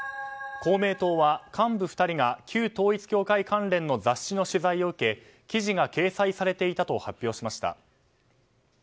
公明党は幹部２人が旧統一教会関連の雑誌の取材を受け記事が掲載されていたと発表しました。